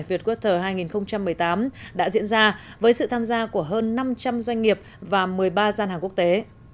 việt watter hai nghìn một mươi tám đã diễn ra với sự tham gia của hơn năm trăm linh doanh nghiệp và một mươi ba gian hàng quốc tế